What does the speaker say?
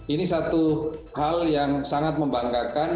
ini satu hal yang sangat membanggakan